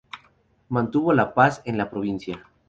Mantuvo la paz en la provincia.